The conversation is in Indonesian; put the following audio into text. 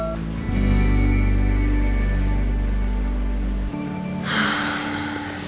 sampai jumpa lagi